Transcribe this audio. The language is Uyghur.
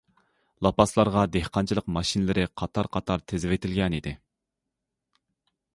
لاپاسلارغا دېھقانچىلىق ماشىنىلىرى قاتار- قاتار تىزىۋېتىلگەنىدى.